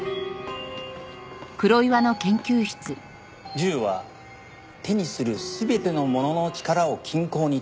銃は手にする全ての者の力を均衡に保つ。